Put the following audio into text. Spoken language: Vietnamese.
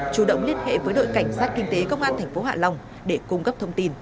chủ động liên hệ với đội cảnh sát kinh tế công an tp hạ long để cung cấp thông tin